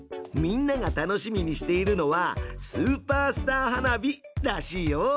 みんなが楽しみにしているのは「スーパースター花火」らしいよ！